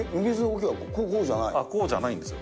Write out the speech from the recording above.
えっ、こうじゃないんですよ。